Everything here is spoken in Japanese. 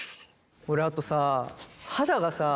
俺あとさ肌がさ